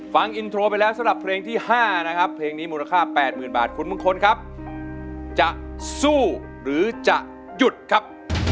ฟังอินโทรไปแล้วสำหรับเพลงที่๕นะครับเพลงนี้มูลค่า๘๐๐๐บาทคุณมงคลครับจะสู้หรือจะหยุดครับ